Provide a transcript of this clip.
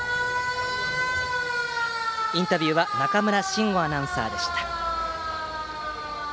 インタビューは中村慎吾アナウンサーでした。